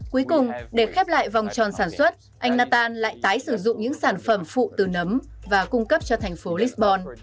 cuối cùng để khép lại vòng tròn sản xuất anh nathan lại tái sử dụng những sản phẩm phụ từ nấm và cung cấp cho thành phố lisbon